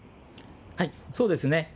はい、そうですね。